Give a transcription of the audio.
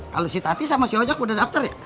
kalau si tati sama si ojok udah daftar ya